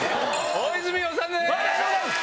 大泉洋さんです！